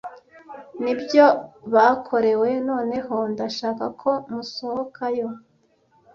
Nibyo bakorewe! Noneho ndashaka ko musohokayo